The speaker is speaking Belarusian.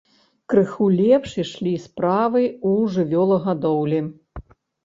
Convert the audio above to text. Крыху лепш ішлі справы ў жывёлагадоўлі.